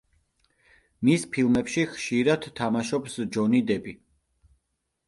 მის ფილმებში ხშირად თამაშობს ჯონი დეპი.